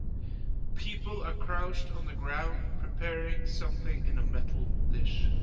People are crouched on the ground preparing something in a metal dish.